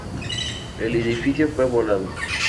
El edificio fue volado.